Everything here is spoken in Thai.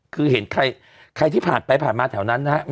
คือเห็นใครที่ผ่านไปผ่านมาแถวนั้นนะครับ